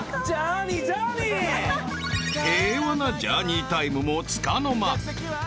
［平和なジャーニータイムもつかの間］